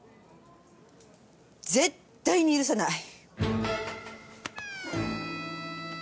絶対に許さない！